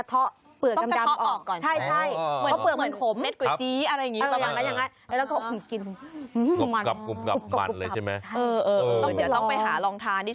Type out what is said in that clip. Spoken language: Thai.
เหลือเดี๋ยวต้องไปหาลองทานี่